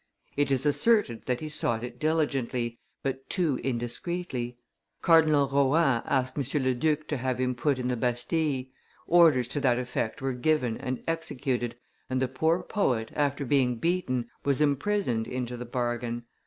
It is asserted that he sought it diligently, but too indiscreetly. Cardinal Rohan asked M. le Duc to have him put in the Bastille: orders to that effect were given and executed, and the poor poet, after being beaten, was imprisoned into the bargain.